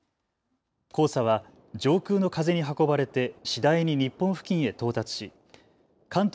黄砂は上空の風に運ばれて次第に日本付近へ到達し関東